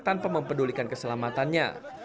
tanpa mempedulikan keselamatannya